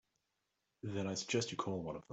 Then I suggest you call one of them.